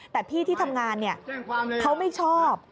แต่พี่ที่ทำงานเขาไม่ชอบ